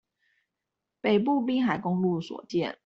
北部濱海公路所見